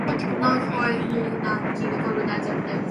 Not quite good enough to recognize a face.